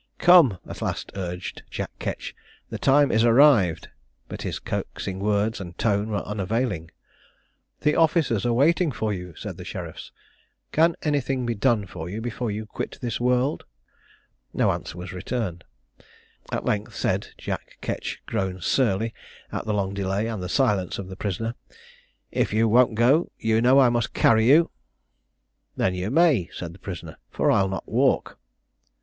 "Come," at last urged Jack Ketch, "the time is arrived;" but his coaxing words and tone were unavailing. "The officers are waiting for you," said the sheriffs; "can anything be done for you before you quit this world?" No answer was returned. At length, said Jack Ketch, grown surly at the long delay and the silence of the prisoner, "If you won't go, you know I must carry you." "Then you may," said the prisoner, "for I'll not walk."